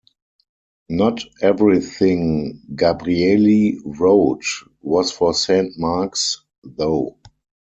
Not everything Gabrieli wrote was for Saint Mark's, though.